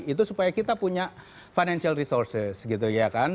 itu supaya kita punya financial resources gitu ya kan